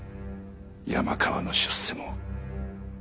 山川の出世も。